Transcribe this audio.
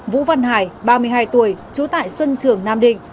vũ văn hải ba mươi hai tuổi trú tại xuân trường nam định